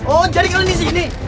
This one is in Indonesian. oh jadi kalian disini